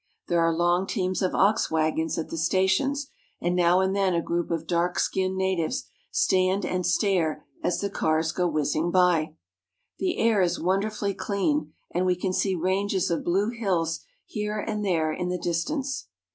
There are long teams of ox wagons at the stations, and now and then a group of dark skinned natives stand and stare as the cars go whizzing by. The air is wonderfully clear, and we can see ranges of blue hills here and there in the distance.